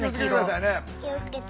気を付けて。